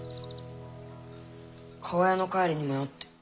厠の帰りに迷って。